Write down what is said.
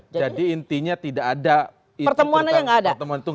jadi intinya tidak ada pertemuan itu